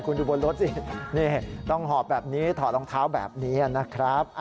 คุณดูบนรถสินี่ต้องหอบแบบนี้ถอดรองเท้าแบบนี้นะครับ